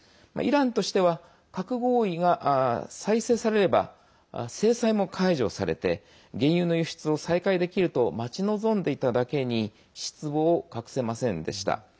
イランとしては核合意が再生されれば制裁も解除されて原油の輸出を再開できると待ち望んでいただけに失望を隠せませんでした。